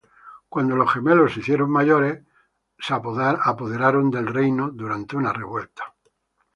Cuando los gemelos se hicieron mayores, se apoderaron del reino durante una revuelta.